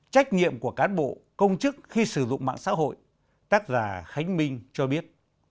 trách nhiệm của cán bộ công chức khi sử dụng mạng xã hội tác giả khánh minh cho biết